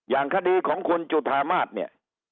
อย่างคดีของคุณจุธามาศเนี่ย